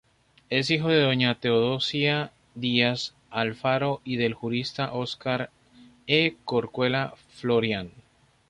Es hijo de doña Teodosia Díaz Alfaro y del jurista Oscar E. Corcuera Florián.